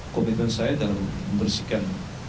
komitmen saya dalam membersihkan